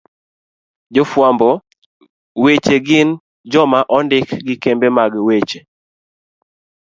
Jofwamb weche gin joma ondik gi kembe mag weche